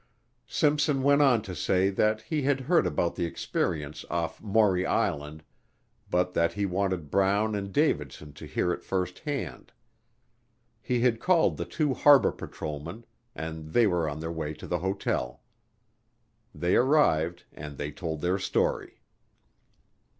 Simpson went on to say that he had heard about the experience off Maury Island but that he wanted Brown and Davidson to hear it firsthand. He had called the two harbor patrolmen and they were on their way to the hotel. They arrived and they told their story.